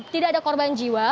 tidak ada korban jiwa